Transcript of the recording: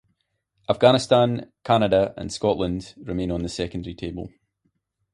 Afghanistan, Canada and Scotland remain on the secondary table.